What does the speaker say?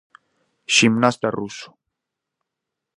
Ximnasta ruso.